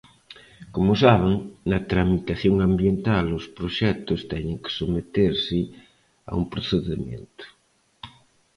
Como saben, na tramitación ambiental os proxectos teñen que someterse a un procedemento.